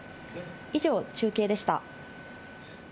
以上、中継でした。